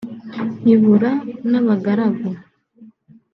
ibura n’abagaragu